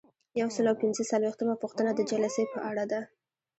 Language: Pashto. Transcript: یو سل او پنځه څلویښتمه پوښتنه د جلسې په اړه ده.